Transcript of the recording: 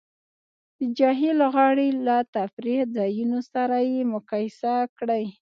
د جهیل غاړې له تفریح ځایونو سره یې مقایسه کړئ